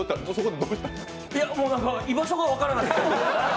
僕、居場所が分からない。